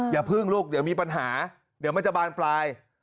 อย่าพึ่งลูกเดี๋ยวมีปัญหาเดี๋ยวมันจะบานปลาย